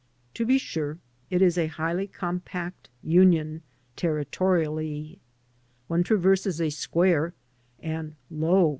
To be sure, it is a highly compact union, territorially. One traverses a square, and lo!